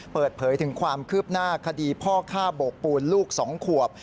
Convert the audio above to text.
เปิดเผยถึงความคืบหน้าคดีพ่อฆ่าโบกปูนลูก๒ขวบ